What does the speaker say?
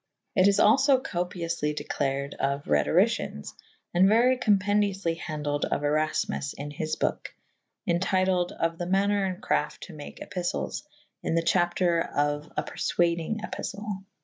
It is alfo copiofely declared of Rhetorycyens / and very compendioufly handled of Erafmus in his boke / entituled of the maner & crafte to make epiftles / in the chapitre of a perfuadynge epiftle.